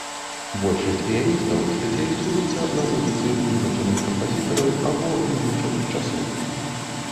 Большасць піяністаў спецыялізуецца на музыцы вызначаных кампазітараў або вызначаных часоў.